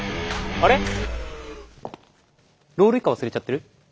あっロールイカ忘れちゃっ。